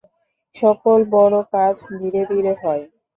সকল বড় কাজ ধীরে ধীরে হয়।